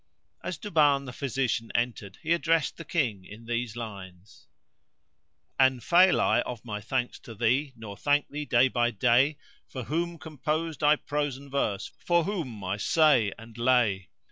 As Duban the physician entered he addressed the King in these lines:— An fail I of my thanks to thee nor thank thee day by day * For whom composed I prose and verse, for whom my say and lay?